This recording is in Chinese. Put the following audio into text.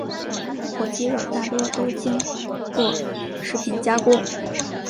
火鸡肉大多都经过食品加工。